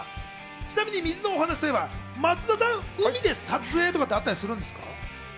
ちなみに水の話といえば松田さんですけど、海で撮影とかあったりするんですか？